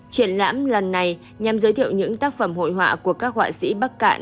triển lãm lần này nhằm giới thiệu những tác phẩm hội họa của các họa sĩ bắc cạn